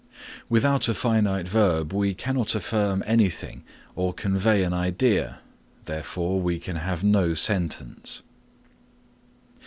Without a finite verb we cannot affirm anything or convey an idea, therefore we can have no sentence.